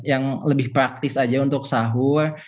yang lebih praktis aja untuk sahur